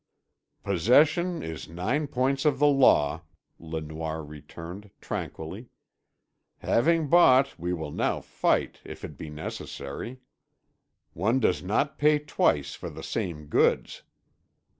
"Possession is nine points of the law," Le Noir returned tranquilly. "Having bought we will now fight, if it be necessary. One does not pay twice for the same goods.